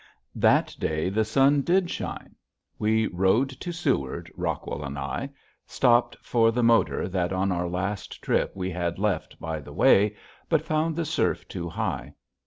That day the sun did shine. We rowed to Seward, Rockwell and I; stopped for the motor that on our last trip we had left by the way, but found the surf too high.